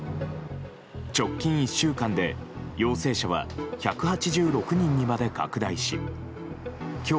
直近１週間で陽性者は１８６人にまで拡大し今日